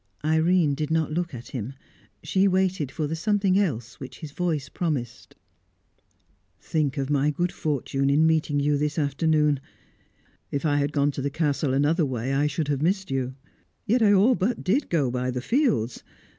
Irene did not look at him; she waited for the something else which his voice promised. "Think of my good fortune in meeting you this afternoon. If I had gone to the Castle another way, I should have missed you; yet I all but did go by the fields.